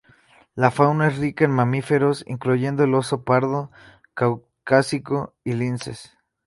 La fauna es rica en mamíferos, incluyendo el oso pardo caucásico y linces.